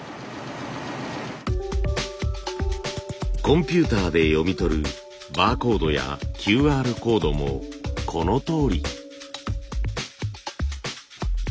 コンピューターで読み取るバーコードやＱＲコードもこのとおり。